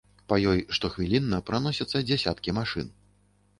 Па ёй штохвілінна праносяцца дзясяткі машын.